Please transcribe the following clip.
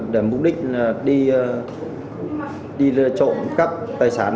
để mục đích là đi trộm cắp tài sản